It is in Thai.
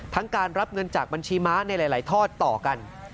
การรับเงินจากบัญชีม้าในหลายทอดต่อกัน